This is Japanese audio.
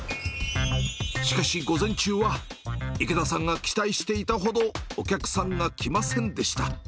しかし午前中は、池田さんが期待していたほど、お客さんが来ませんでした。